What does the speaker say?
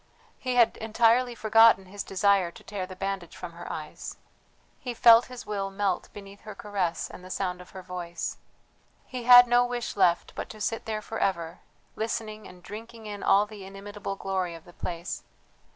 He had entirely forgotten his desire to tear the bandage from her eyes. He felt his will melt beneath her caress and the sound of her voice. He had no wish left but to sit there for ever, listening and drinking in all the inimitable glory of the place.